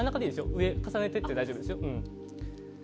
上重ねてって大丈夫です。